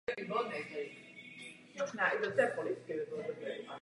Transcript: Uznání principu závazku je jedním ze základních a nezbytných předpokladů platnosti práva.